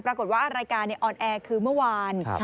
ปรากฏว่ารายการออนแอร์คือเมื่อวาน